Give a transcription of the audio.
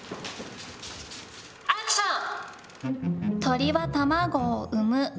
アクション！